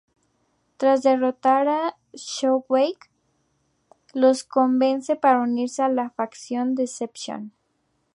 Tras derrotar a Shockwave los convence para unirse a la facción Decepticon.